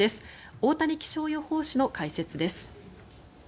太谷気象予報士の解説です。